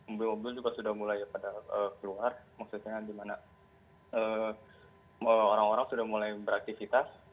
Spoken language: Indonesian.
mobil mobil juga sudah mulai keluar maksudnya dimana orang orang sudah mulai beraktivitas